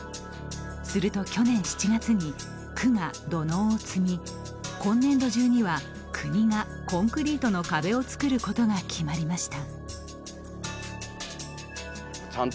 すると去年７月に区が土のうを積み今年度中には国がコンクリートの壁を造ることが決まりました。